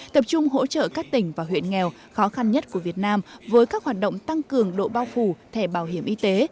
tập trung hỗ trợ các tỉnh và huyện nghèo khó khăn nhất của việt nam với các hoạt động tăng cường độ bao phủ thẻ bảo hiểm y tế